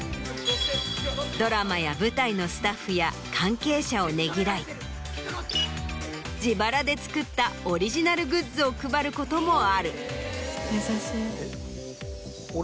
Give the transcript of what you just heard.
ドラマや舞台のスタッフや関係者をねぎらい自腹で作ったオリジナルグッズを配ることもある。